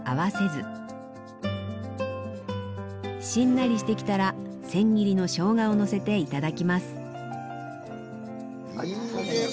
しんなりしてきたら千切りのしょうがをのせて頂きます。